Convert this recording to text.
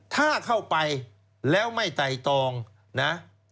ถ้าเข้าไปแล้วไม่ไต่ตองนะ